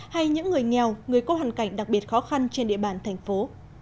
hay những người nghèo người có hoàn cảnh đặc biệt khó khăn trên địa bàn thành phố